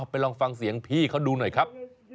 ไปลองฟังเสียงพี่เขาดูหน่อยครับ